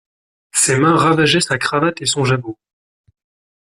Ses mains ravageaient sa cravate et son jabot.